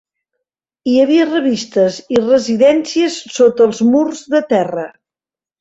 Hi havia revistes i residències sota els murs de terra.